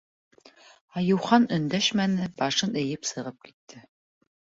Айыухан өндәшмәне, башын эйеп сығып китте.